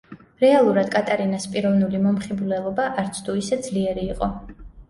რეალურად კატარინას პიროვნული მომხიბვლელობა არც თუ ისე ძლიერი იყო.